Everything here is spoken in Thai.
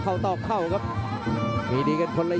พยาบกระแทกมัดเย็บซ้าย